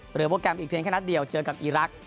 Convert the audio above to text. เหลือโปรแกรมอีกฝีวิทัศน์แค่นัดเดียวเจอกับอีรักษ์